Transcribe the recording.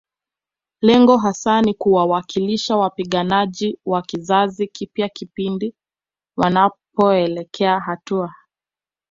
Lengo hasa ni kuwawakilisha wapiganaji wa kizazi kipya pindi wanapoelekea hatua